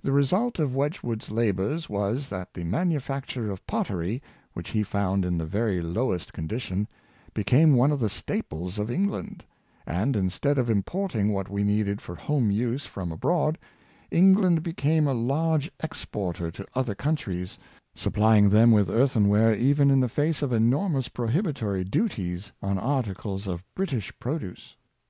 The result of Wedgewood's labors was, that the man ufacture of pottery, which he found in the very lowest condition, became one of the staples of England; and, instead of importing what we needed for home use from abroad, England became a large exporter to other coun tries, supplying them with earthenware even in the face of enormous prohibitory duties on articles of British produce.